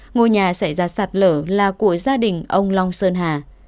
ngôi nhà xảy ra sạt lở là của gia đình ông long sơn hà